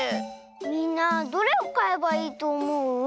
みんなどれをかえばいいとおもう？